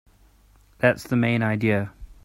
That's the main idea.